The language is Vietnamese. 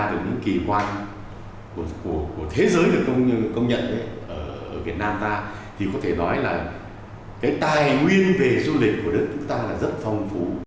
đều duy trì tốc độ tăng trưởng nhanh đặc biệt là việt nam đang thu hút ngành du lịch việt nam